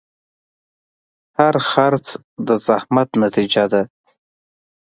هر خرڅ د زحمت نتیجه ده.